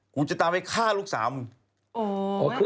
กูจะตามไปฆ่าลูกสาวมึง